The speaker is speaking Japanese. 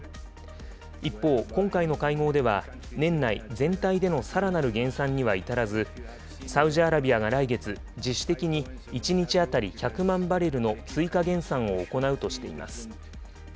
一方、今回の会合では年内、全体でのさらなる減産には至らず、サウジアラビアが来月、自主的に１日当たり１００万バレルの追加減産を行うとしています。